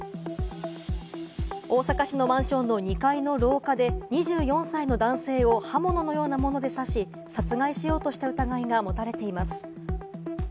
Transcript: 大阪市のマンションの２階の廊下で２４歳の男性を刃物のようなもので刺し、殺害しようとした疑いが持たれています。